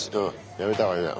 やめたほうがいいよ。